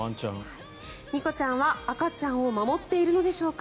ニコちゃんは赤ちゃんを守っているのでしょうか。